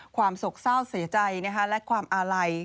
โศกเศร้าเสียใจและความอาลัย